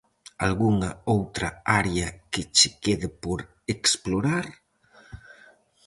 Algunha outra área que che quede por explorar?